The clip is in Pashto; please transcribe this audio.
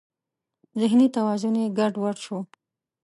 ذهني توازن یې ګډ وډ شو.